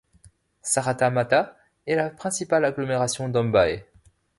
Saratamata est la principale agglomération d’Ambae.